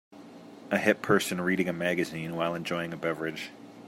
A hip person reading a magazine while enjoying a beverage